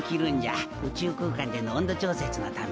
宇宙空間での温度調節のためじゃな。